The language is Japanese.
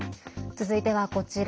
続いては、こちら。